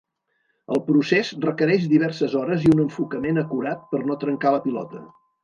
El procés requereix diverses hores i un enfocament acurat per no trencar la pilota.